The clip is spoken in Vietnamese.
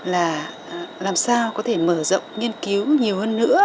là làm sao có thể mở rộng nghiên cứu nhiều hơn nữa